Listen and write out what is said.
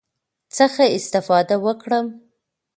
څخه استفاده وکړم،